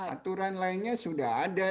aturan lainnya sudah ada